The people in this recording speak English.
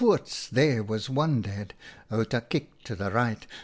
there was one dead !"— Outa kicked to the right.